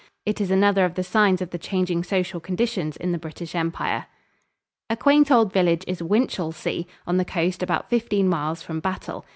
It is another of the signs of the changing social conditions in the British Empire. A quaint old village is Winchelsea, on the coast about fifteen miles from Battle.